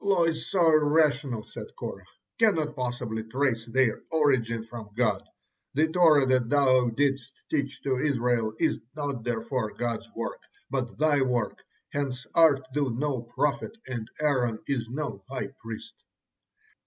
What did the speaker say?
"Laws so irrational," said Korah, "cannot possibly trace their origin from God. The Torah that thou didst teach to Israel is not therefore God's work, but thy work, hence art thou no prophet and Aaron is no high priest!"